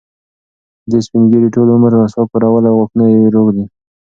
دې سپین ږیري ټول عمر مسواک کارولی او غاښونه یې روغ دي.